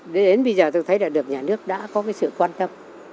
thế đến bây giờ tôi thấy là được nhà nước đã có cái sự quan tâm